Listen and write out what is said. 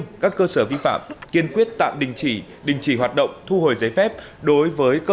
các cơ sở vi phạm kiên quyết tạm đình chỉ đình chỉ hoạt động thu hồi giấy phép đối với cơ